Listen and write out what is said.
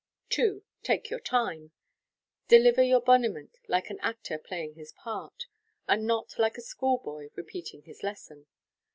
2. Take your time. Deliver your honiment like an actor playing his part, and not like a school boy repeating his lesson.